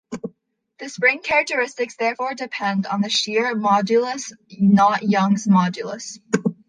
The spring characteristics therefore depend on the shear modulus, not Young's Modulus.